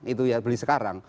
itu ya beli sekarang